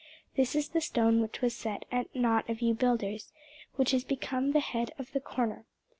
This is the stone which was set at nought of you builders, which is become the head of the corner.